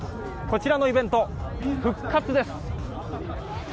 こちらのイベント、復活です。